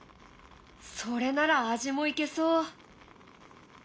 それなら味もいけそう。